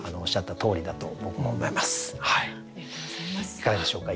いかがでしょうか？